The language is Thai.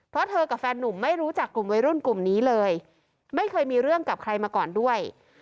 เพราะเธอกับแฟนนุ่มไม่รู้จักกลุ่มวัยรุ่นกลุ่มนี้เลยไม่เคยมีเรื่องกับใครมาก่อนด้วย